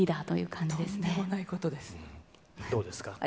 どうですか？